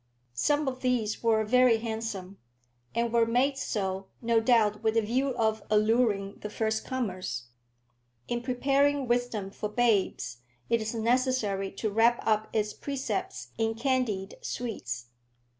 Some of these were very handsome, and were made so, no doubt, with a view of alluring the first comers. In preparing wisdom for babes, it is necessary to wrap up its precepts in candied sweets.